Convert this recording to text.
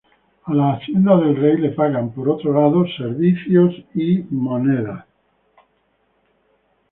A la hacienda del rey le pagan, por otro lado, servicios y monedas.